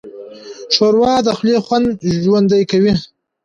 ښوروا د خولې خوند ژوندی کوي.